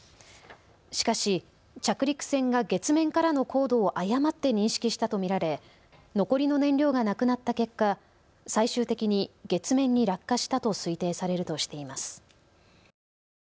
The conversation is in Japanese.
しかし着陸船が月面からの高度を誤って認識したと見られ残りの燃料がなくなった結果、最終的に月面に落下したと推定されるとしています。